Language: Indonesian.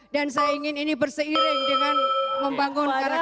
dan saya ingin ini berseiring dengan membangun karakter bangsa kita